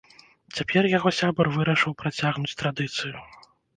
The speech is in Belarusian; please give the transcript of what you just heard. Цяпер яго сябар вырашыў працягнуць традыцыю.